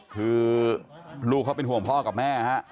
คือลูกเขาเป็นห่วงพ่อกับแม่ฮะ